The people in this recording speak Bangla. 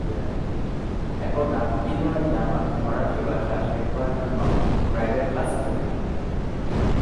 একদা ইন্দ্রনাথ জার্মান ফরাসি ভাষা শেখাবার একটা প্রাইভেট ক্লাস খুললেন।